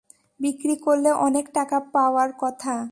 বিক্রি করলে অনেক টাকা পাওয়ার কথা।